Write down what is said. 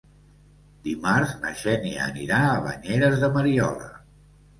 Dimarts na Xènia anirà a Banyeres de Mariola.